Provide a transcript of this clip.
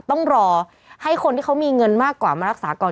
ต้องรอให้คนที่เขามีเงินมากกว่ามารักษาก่อน